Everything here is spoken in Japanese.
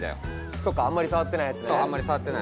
そうあんまり触ってないあっ